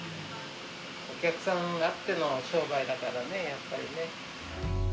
お客さんあっての商売だからね、やっぱりね。